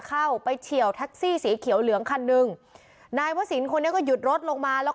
เลยข้าวไปเชียวท็อคซี่สีเขียวเหลืองคันนึงท์ไหนวาสินคนนี้ก็หยุดลดลงมาแล้วก็